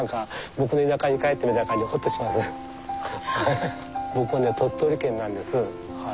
僕ね鳥取県なんですはい。